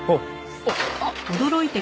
あっ！